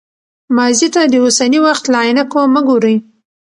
ماضي ته د اوسني وخت له عینکو مه ګورئ.